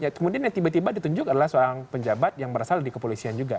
kemudian yang tiba tiba ditunjuk adalah seorang penjabat yang berasal di kepolisian juga